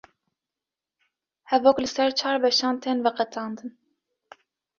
hevok li ser çar beşan tên veqetandin